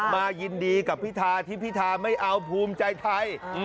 มายินดีกับพิธาที่พิธาไม่เอาภูมิใจไทย